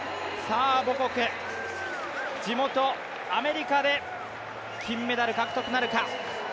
母国、地元・アメリカで金メダル獲得なるか。